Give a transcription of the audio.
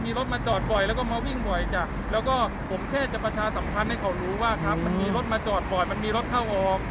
มีรถมาจอดบ่อยแล้วก็มาวิ่งบ่อยจ้ะแล้วก็ผมแค่จะประชาสัมพันธ์ให้เขารู้ว่าครับมันมีรถมาจอดบ่อยมันมีรถเข้าออก